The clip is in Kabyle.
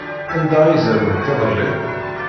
Anda ay zerwent iḍelli?